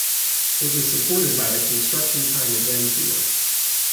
It was supported by the Construction Time Again Tour.